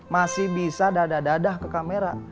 masih bisa dadah dadah ke kamera